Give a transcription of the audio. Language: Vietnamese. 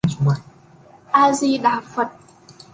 A Di Đà Phật